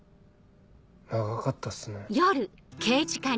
長かったっすね。